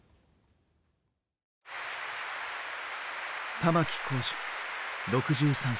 玉置浩二６３歳。